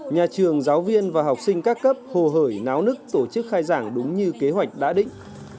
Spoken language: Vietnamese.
nhà trường giáo viên và học sinh các cấp hồ hởi náo nức tổ chức khai giảng đúng như kế hoạch đã định